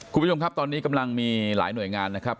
คุณผู้ชมครับตอนนี้กำลังมีหลายหน่วยงานนะครับ